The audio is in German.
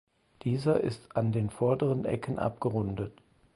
Dieser ist an den vorderen Ecken abgerundet.